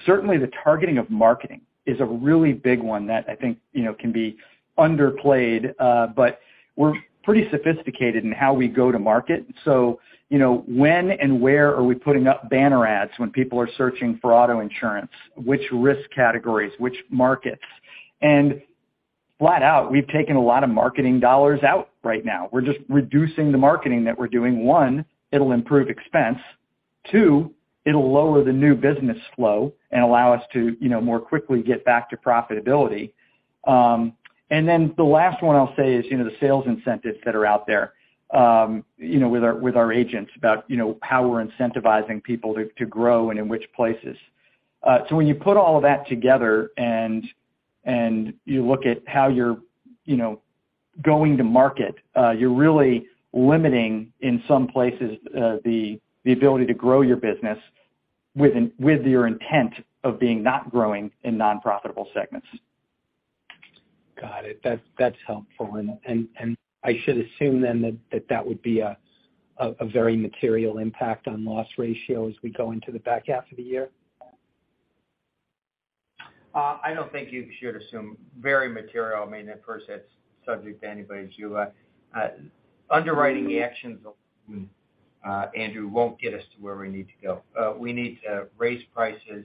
Certainly the targeting of marketing is a really big one that I think, you know, can be underplayed. We're pretty sophisticated in how we go to market. You know, when and where are we putting up banner ads when people are searching for auto insurance, which risk categories, which markets? Flat out, we've taken a lot of marketing dollars out right now. We're just reducing the marketing that we're doing. One, it'll improve expense. Two, it'll lower the new business flow and allow us to, you know, more quickly get back to profitability. Then the last one I'll say is, you know, the sales incentives that are out there, you know, with our agents about, you know, how we're incentivizing people to grow and in which places. When you put all of that together and you look at how you're, you know, going to market, you're really limiting, in some places, the ability to grow your business with your intent of being not growing in non-profitable segments. Got it. That's helpful. I should assume then that that would be a very material impact on loss ratio as we go into the back half of the year? I don't think you should assume very material. I mean, at first, that's subject to anybody's view. Underwriting actions, Andrew, won't get us to where we need to go. We need to raise prices,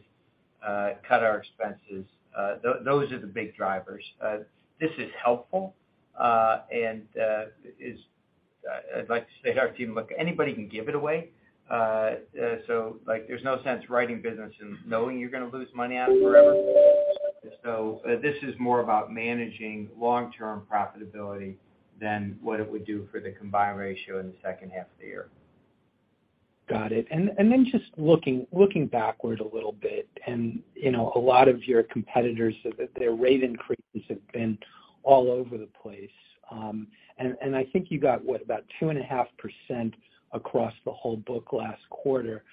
cut our expenses. Those are the big drivers. This is helpful, and I'd like to say to our team, look, anybody can give it away. So, like, there's no sense writing business and knowing you're gonna lose money on it forever. This is more about managing long-term profitability than what it would do for the combined ratio in the second half of the year. Got it. Just looking backward a little bit, you know, a lot of your competitors, their rate increases have been all over the place. I think you got, what? About 2.5% across the whole book last quarter.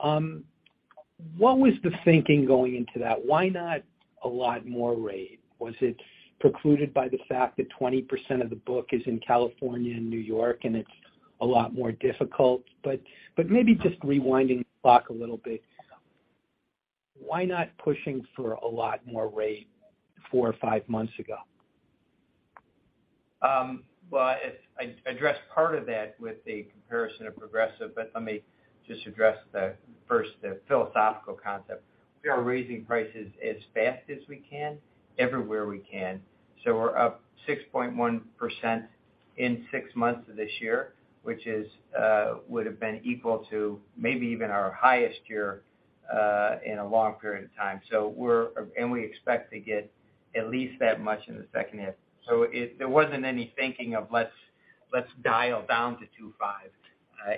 What was the thinking going into that? Why not a lot more rate? Was it precluded by the fact that 20% of the book is in California and New York, and it's a lot more difficult? Maybe just rewinding the clock a little bit, why not pushing for a lot more rate four or five months ago? Well, I addressed part of that with the comparison of Progressive, but let me just address the first, the philosophical concept. We are raising prices as fast as we can, everywhere we can. We're up 6.1% in six months of this year, which would have been equal to maybe even our highest year in a long period of time. We expect to get at least that much in the second half. There wasn't any thinking of let's dial down to 2.5.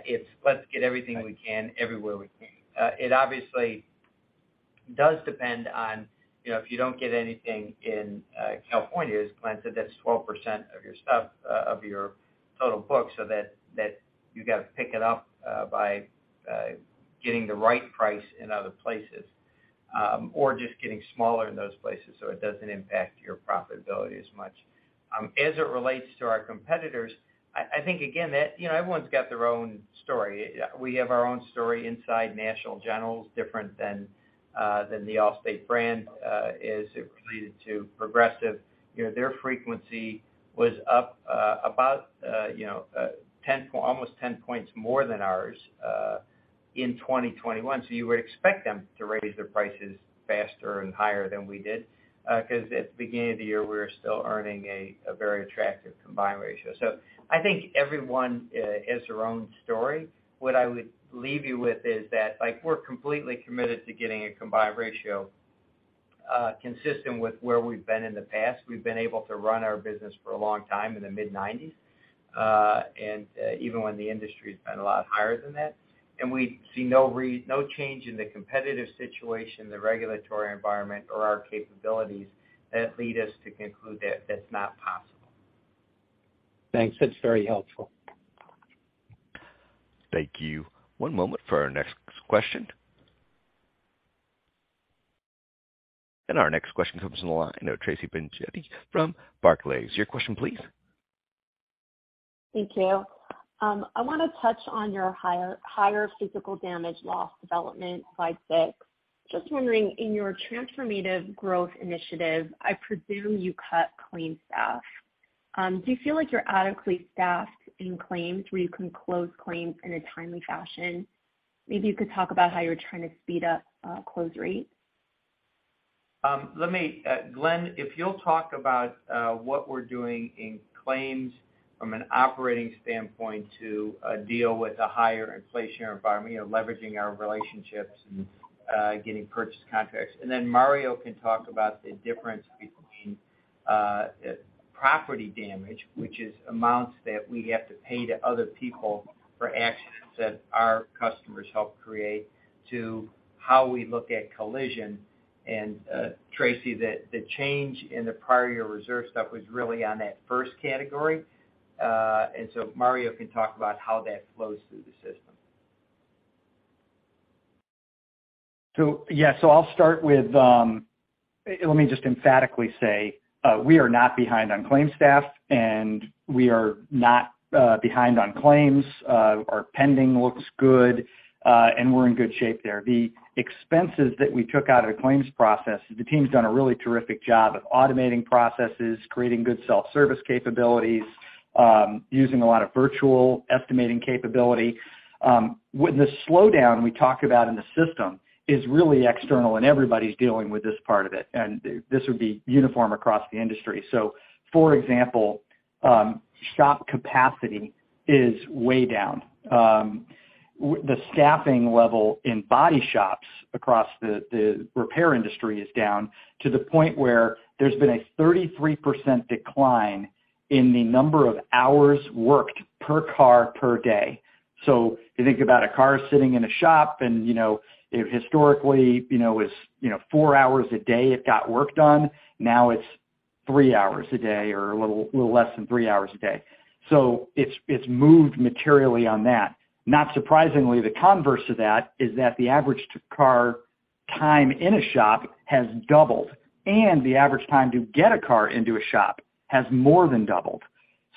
It's let's get everything we can, everywhere we can. It obviously does depend on, you know, if you don't get anything in California, as Glenn said, that's 12% of your stuff, of your total book, so that you got to pick it up by getting the right price in other places, or just getting smaller in those places so it doesn't impact your profitability as much. As it relates to our competitors, I think, again, that, you know, everyone's got their own story. We have our own story inside National General's different than the Allstate brand, as it related to Progressive. You know, their frequency was up about, you know, almost 10 points more than ours in 2021. You would expect them to raise their prices faster and higher than we did, 'cause at the beginning of the year, we were still earning a very attractive combined ratio. I think everyone has their own story. What I would leave you with is that, like, we're completely committed to getting a combined ratio consistent with where we've been in the past. We've been able to run our business for a long time in the mid-nineties, and even when the industry's been a lot higher than that. We see no change in the competitive situation, the regulatory environment or our capabilities that lead us to conclude that that's not possible. Thanks. That's very helpful. Thank you. One moment for our next question. Our next question comes from the line of Tracy Benguigui from Barclays. Your question, please. Thank you. I wanna touch on your higher physical damage loss development, slide six. Just wondering, in your Transformative Growth initiative, I presume you cut claim staff. Do you feel like you're adequately staffed in claims where you can close claims in a timely fashion? Maybe you could talk about how you're trying to speed up close rates. Glenn, if you'll talk about what we're doing in claims from an operating standpoint to deal with the higher inflationary environment, you know, leveraging our relationships and getting purchase contracts. Mario can talk about the difference between property damage, which is amounts that we have to pay to other people for accidents that our customers help create, to how we look at collision. Tracy, the change in the prior year reserve stuff was really on that first category. Mario can talk about how that flows through the system. I'll start with, let me just emphatically say, we are not behind on claim staff, and we are not behind on claims. Our pending looks good, and we're in good shape there. The expenses that we took out of the claims process, the team's done a really terrific job of automating processes, creating good self-service capabilities, using a lot of virtual estimating capability. With the slowdown we talk about in the system is really external, and everybody's dealing with this part of it, and this would be uniform across the industry. For example, shop capacity is way down. The staffing level in body shops across the repair industry is down to the point where there's been a 33% decline in the number of hours worked per car per day. You think about a car sitting in a shop and, you know, if historically, you know, it's, you know, four hours a day it got worked on, now it's three hours a day or a little less than three hours a day. It's moved materially on that. Not surprisingly, the converse to that is that the average car time in a shop has doubled, and the average time to get a car into a shop has more than doubled.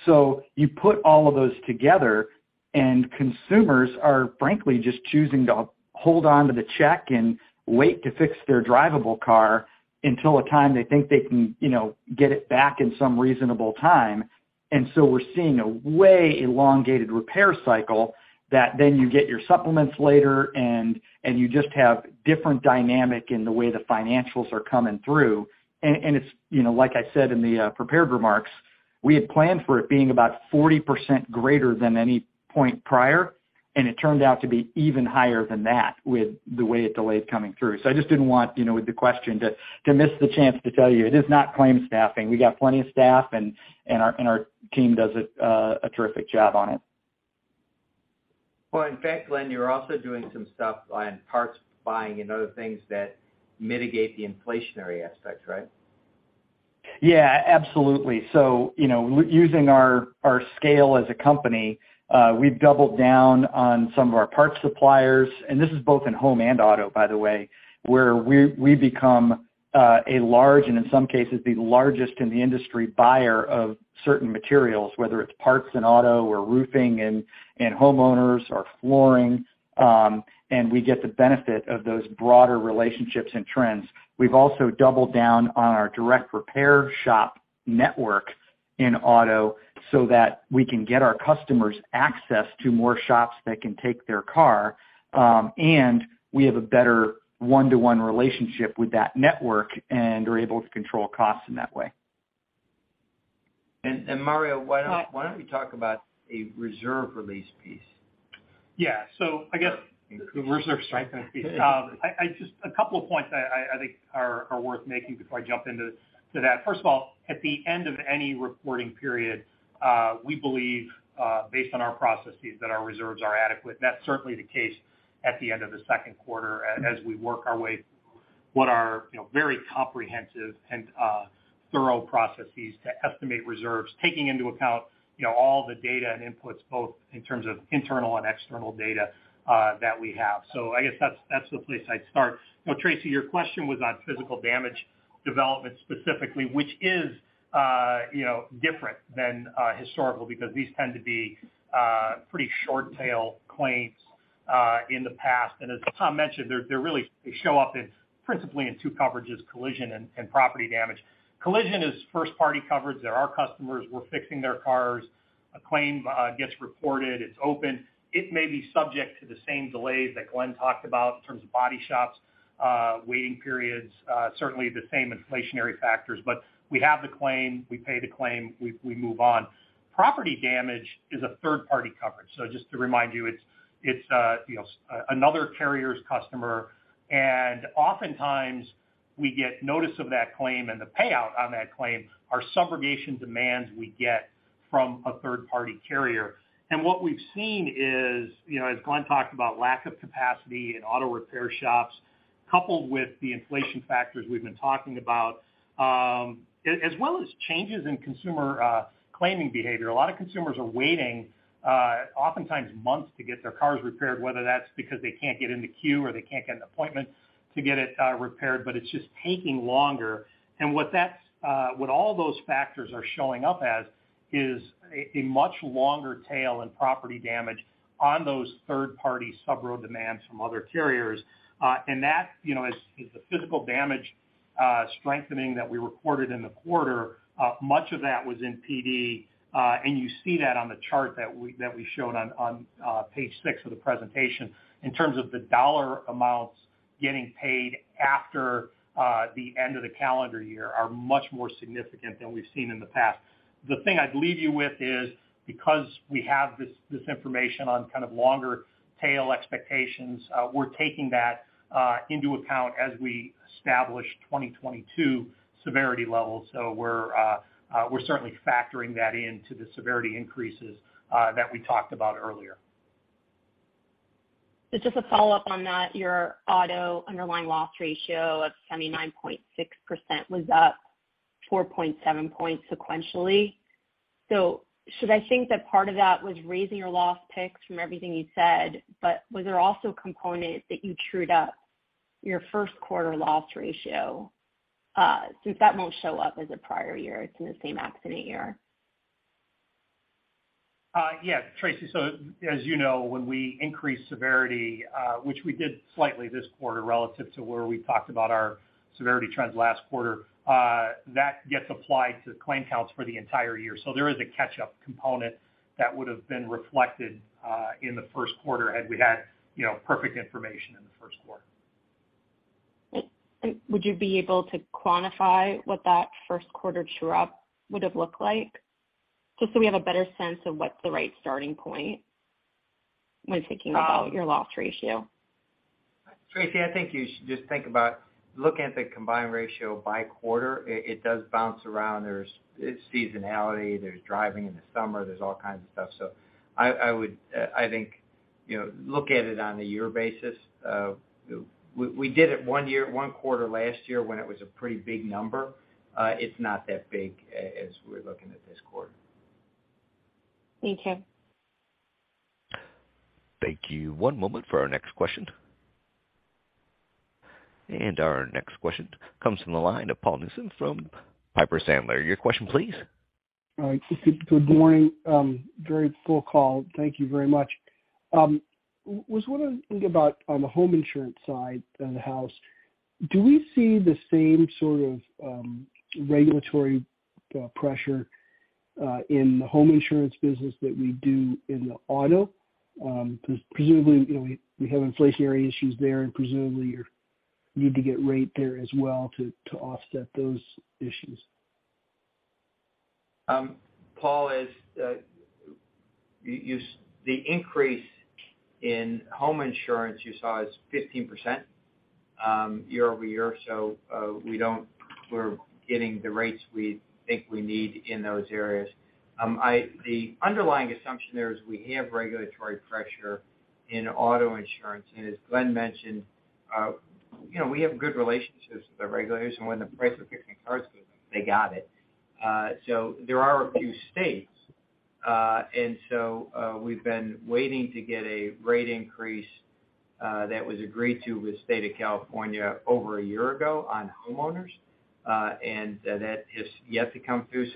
You put all of those together, and consumers are frankly just choosing to hold on to the check and wait to fix their drivable car until a time they think they can, you know, get it back in some reasonable time. We're seeing a way elongated repair cycle that then you get your supplements later and you just have different dynamic in the way the financials are coming through. It's, you know, like I said in the prepared remarks, we had planned for it being about 40% greater than any point prior, and it turned out to be even higher than that with the way it delayed coming through. I just didn't want, you know, with the question to miss the chance to tell you it is not claim staffing. We got plenty of staff, and our team does a terrific job on it. Well, in fact, Glenn, you're also doing some stuff on parts buying and other things that mitigate the inflationary aspects, right? Yeah, absolutely. You know, using our scale as a company, we've doubled down on some of our parts suppliers, and this is both in home and auto, by the way, where we become a large, and in some cases the largest in the industry buyer of certain materials, whether it's parts in auto or roofing in homeowners or flooring, and we get the benefit of those broader relationships and trends. We've also doubled down on our direct repair shop network in auto so that we can get our customers access to more shops that can take their car, and we have a better one-to-one relationship with that network and are able to control costs in that way. Mario, why don't you talk about a reserve release piece? Yeah. I guess The reserve strengthening piece. A couple of points I think are worth making before I jump into that. First of all, at the end of any reporting period, we believe based on our processes that our reserves are adequate. That's certainly the case at the end of the second quarter as we work our way through what are you know very comprehensive and thorough processes to estimate reserves, taking into account you know all the data and inputs, both in terms of internal and external data that we have. I guess that's the place I'd start. Now, Tracy, your question was on physical damage development specifically, which is you know different than historical because these tend to be pretty short tail claims in the past. As Tom mentioned, they really show up principally in two coverages, collision and property damage. Collision is first party coverage. They're our customers. We're fixing their cars. A claim gets reported, it's open. It may be subject to the same delays that Glenn talked about in terms of body shops, waiting periods, certainly the same inflationary factors. But we have the claim, we pay the claim, we move on. Property damage is a third-party coverage. So just to remind you know, another carrier's customer, and oftentimes we get notice of that claim and the payout on that claim are subrogation demands we get from a third party carrier. What we've seen is, you know, as Glenn talked about, lack of capacity in auto repair shops coupled with the inflation factors we've been talking about, as well as changes in consumer claiming behavior. A lot of consumers are waiting, oftentimes months to get their cars repaired, whether that's because they can't get in the queue or they can't get an appointment to get it repaired, but it's just taking longer. What all those factors are showing up as is a much longer tail in property damage on those third-party subro demands from other carriers. That, you know, is the physical damage strengthening that we reported in the quarter. Much of that was in PD, and you see that on the chart that we showed on page six of the presentation. In terms of the dollar amounts getting paid after the end of the calendar year are much more significant than we've seen in the past. The thing I'd leave you with is because we have this information on kind of longer tail expectations, we're taking that into account as we establish 2022 severity levels. We're certainly factoring that into the severity increases that we talked about earlier. Just a follow-up on that, your auto underlying loss ratio of 79.6% was up 4.7 points sequentially. Should I think that part of that was raising your loss picks from everything you said, but was there also a component that you trued up your first quarter loss ratio, since that won't show up as a prior year, it's in the same accident year? Yeah, Tracy. As you know, when we increase severity, which we did slightly this quarter relative to where we talked about our severity trends last quarter, that gets applied to claim counts for the entire year. There is a catch-up component that would have been reflected in the first quarter had we had, you know, perfect information in the first quarter. Would you be able to quantify what that first quarter true-up would have looked like? Just so we have a better sense of what's the right starting point when thinking about your loss ratio. Tracy, I think you should just think about looking at the combined ratio by quarter. It does bounce around. There's seasonality, there's driving in the summer, there's all kinds of stuff. I would, I think, you know, look at it on a year basis. We did it one year, one quarter last year when it was a pretty big number. It's not that big as we're looking at this quarter. Okay. Thank you. One moment for our next question. Our next question comes from the line of Paul Newsome from Piper Sandler. Your question please. All right. Good morning. Very full call. Thank you very much. Was wondering, think about on the home insurance side of the house, do we see the same sort of regulatory pressure in the home insurance business that we do in the auto? Presumably, you know, we have inflationary issues there and presumably you need to get rate there as well to offset those issues. Paul, the increase in home insurance you saw is 15%, year-over-year. We're getting the rates we think we need in those areas. The underlying assumption there is we have regulatory pressure in auto insurance. As Glenn mentioned, you know, we have good relationships with the regulators, and when the price of fixing cars goes up, they got it. There are a few states, and we've been waiting to get a rate increase that was agreed to with the State of California over a year ago on homeowners. That is yet to come through.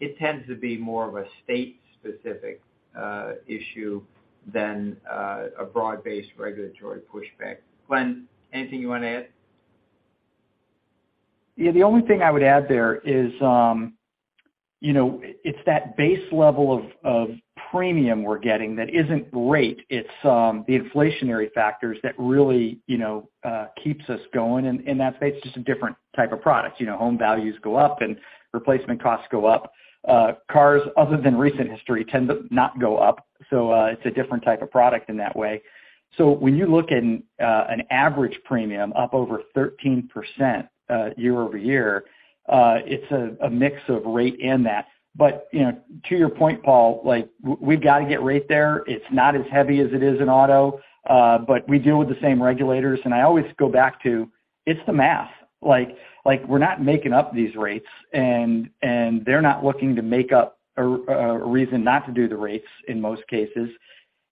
It tends to be more of a state-specific issue than a broad-based regulatory pushback. Glenn, anything you wanna add? Yeah. The only thing I would add there is, you know, it's that base level of premium we're getting that isn't rate. It's the inflationary factors that really, you know, keeps us going in that space. It's just a different type of product. You know, home values go up and replacement costs go up. Cars, other than recent history, tend to not go up. So, it's a different type of product in that way. So when you look at an average premium up over 13%, year-over-year, it's a mix of rate in that. But, you know, to your point, Paul, like we've gotta get rate there. It's not as heavy as it is in auto, but we deal with the same regulators. I always go back to, it's the math. Like, we're not making up these rates and they're not looking to make up a reason not to do the rates in most cases.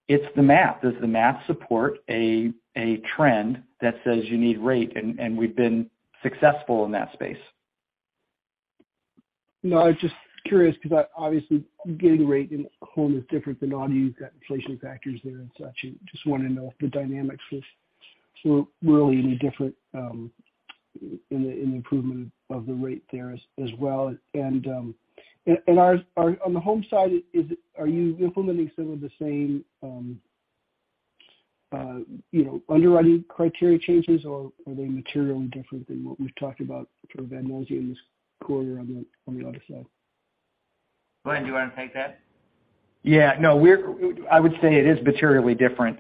It's the math. Does the math support a trend that says you need rate? We've been successful in that space. No, I was just curious because I obviously getting rate in home is different than auto. You've got inflation factors there and such. I just wanna know if the dynamics is sort of really any different in the improvement of the rate there as well. On the home side, are you implementing some of the same, you know, underwriting criteria changes or are they materially different than what we've talked about sort of at NatGen in this quarter on the auto side? Glenn, do you wanna take that? Yeah. No, I would say it is materially different.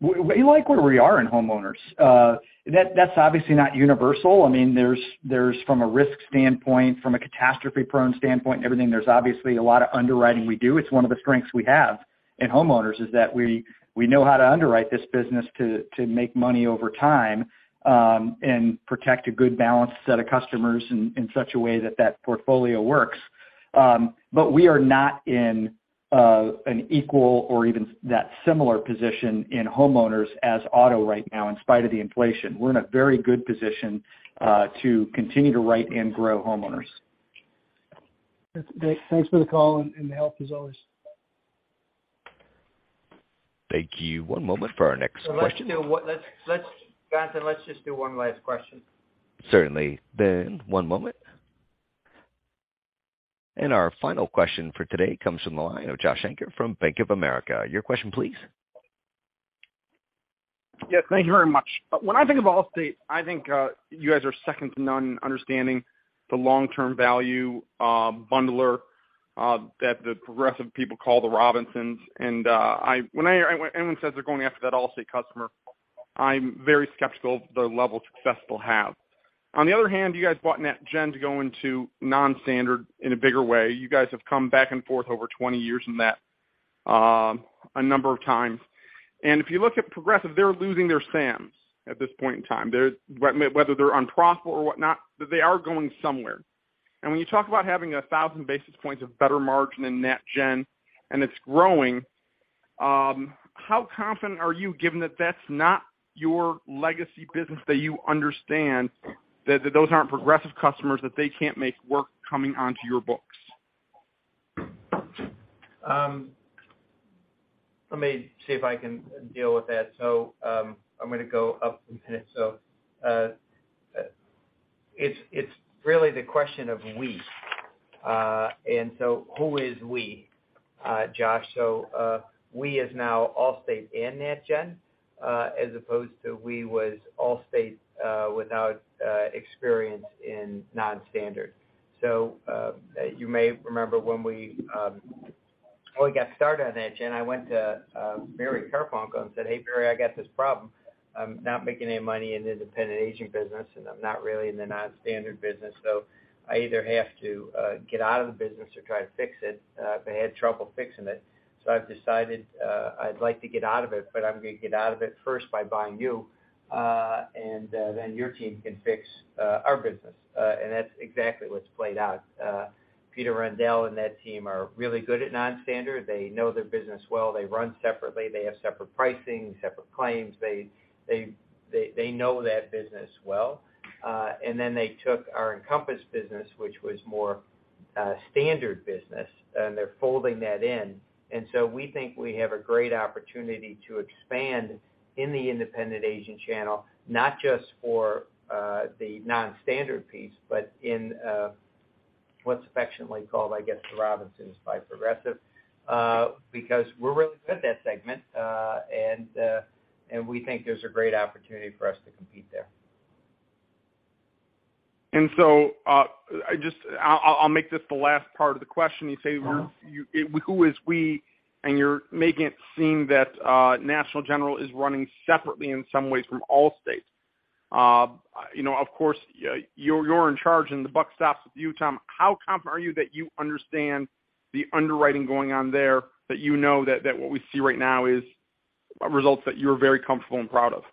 We like where we are in homeowners. That's obviously not universal. I mean, there's from a risk standpoint, from a catastrophe-prone standpoint and everything, there's obviously a lot of underwriting we do. It's one of the strengths we have in homeowners, is that we know how to underwrite this business to make money over time and protect a good balanced set of customers in such a way that that portfolio works. We are not in an equal or even that similar position in homeowners as auto right now in spite of the inflation. We're in a very good position to continue to write and grow homeowners. That's great. Thanks for the call and the help as always. Thank you. One moment for our next question. Jonathan, Let's just do one last question. Certainly. One moment. Our final question for today comes from the line of Josh Shanker from Bank of America. Your question please. Yes, thank you very much. When I think of Allstate, I think, you guys are second to none in understanding the long-term value, bundler, that the Progressive people call the Robinsons. When anyone says they're going after that Allstate customer, I'm very skeptical of the level of success they'll have. On the other hand, you guys bought NatGen to go into non-standard in a bigger way. You guys have come back and forth over 20 years in that, a number of times. If you look at Progressive, they're losing their Sams at this point in time. Whether they're unprofitable or whatnot, but they are going somewhere. When you talk about having a thousand basis points of better margin in NatGen, and it's growing, how confident are you given that that's not your legacy business that you understand that those aren't Progressive customers, that they can't make work coming onto your books? Let me see if I can deal with that. I'm gonna go up in minutes. It's really the question of we. Who is we, Josh? We is now Allstate and NatGen, as opposed to we was Allstate, without experience in non-standard. You may remember when we got started on NatGen, I went to Barry Karfunkel and said, "Hey, Barry, I got this problem. I'm not making any money in independent agent business, and I'm not really in the non-standard business. I either have to get out of the business or try to fix it. I had trouble fixing it. I've decided, I'd like to get out of it, but I'm gonna get out of it first by buying you, and then your team can fix our business." That's exactly what's played out. Peter Rendall and that team are really good at non-standard. They know their business well. They run separately. They have separate pricing, separate claims. They know that business well. They took our Encompass business, which was more standard business, and they're folding that in. We think we have a great opportunity to expand in the independent agent channel, not just for the non-standard piece, but in what's affectionately called, I guess, the Robinsons by Progressive, because we're really good at that segment. We think there's a great opportunity for us to compete there. I'll make this the last part of the question. You say you're- Uh-huh. Who is we? You're making it seem that National General is running separately in some ways from Allstate. You know, of course, you're in charge and the buck stops with you, Tom. How confident are you that you understand the underwriting going on there, that you know that what we see right now is results that you're very comfortable and proud of?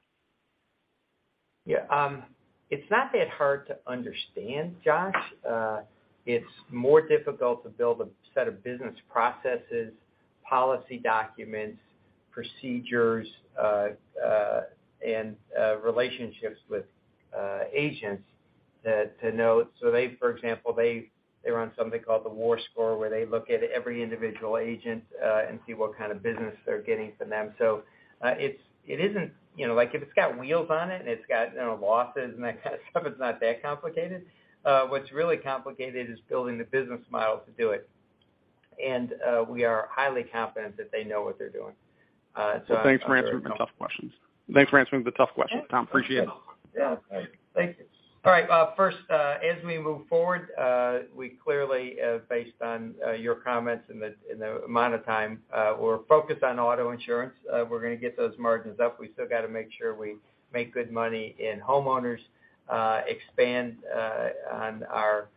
Yeah. It's not that hard to understand, Josh. It's more difficult to build a set of business processes, policy documents, procedures, and relationships with agents to know. They, for example, run something called the War Score, where they look at every individual agent and see what kind of business they're getting from them. It's not that complicated. You know, like, if it's got wheels on it and it's got, you know, losses and that kind of stuff. What's really complicated is building the business model to do it. We are highly confident that they know what they're doing. Well, thanks for answering the tough questions, Tom. Appreciate it. Yeah. Thank you. All right. First, as we move forward, we clearly, based on your comments and the amount of time, we're focused on auto insurance. We're gonna get those margins up. We still gotta make sure we make good money in homeowners, expand on our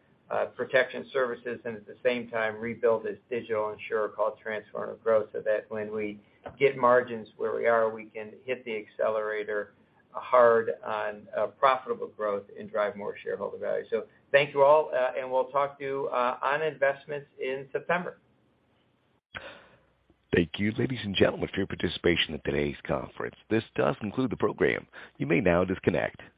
Protection Services, and at the same time, rebuild this digital insurer called Transformative Growth, so that when we get margins where we are, we can hit the accelerator hard on profitable growth and drive more shareholder value. Thank you all. We'll talk to you on investments in September. Thank you, ladies and gentlemen, for your participation in today's conference. This does conclude the program. You may now disconnect. Good day.